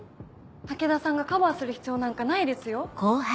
武田さんがカバーする必要なんかないですよ。